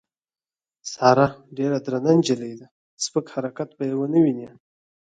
ساره ډېره درنه نجیلۍ ده سپک حرکت به یې ونه وینې.